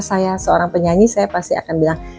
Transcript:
saya seorang penyanyi saya pasti akan bilang